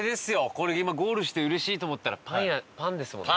これ今ゴールしてうれしいと思ったらパン屋パンですもんね。